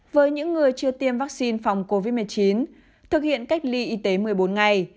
với những người chưa tiêm vaccine phòng covid một mươi chín thực hiện cách ly y tế một mươi bốn ngày